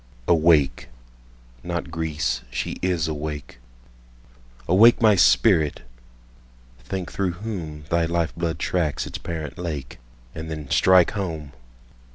Awake! (not Greece—she is awake!)Awake, my spirit! Think through whomThy life blood tracks its parent lake, And then strike home!